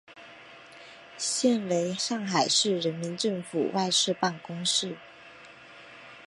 现为上海市人民政府外事办公室。